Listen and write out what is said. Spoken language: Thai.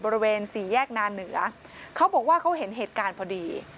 บริเวณสี่แยกนาเหนือเขาบอกว่าเขาเห็นเหตุการณ์พอดี